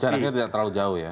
jaraknya tidak terlalu jauh ya